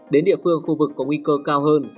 đến địa phương khu vực có nguy cơ cao hơn